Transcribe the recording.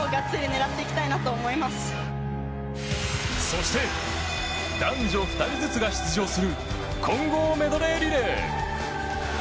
そして男女２人ずつが出場する混合メドレーリレー。